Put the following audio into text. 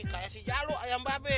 kayak si jalu ayam babe